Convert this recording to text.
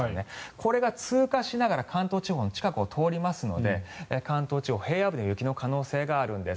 これが通過しながら関東地方の近くを通りますので関東地方平野部で雪の可能性があるんです。